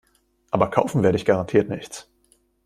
Aber kaufen werde ich garantiert nichts.